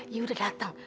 yu udah dateng